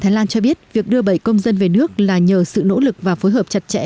thái lan cho biết việc đưa bảy công dân về nước là nhờ sự nỗ lực và phối hợp chặt chẽ